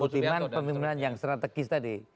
dan itu yang dimaksud pemimpinan yang strategis tadi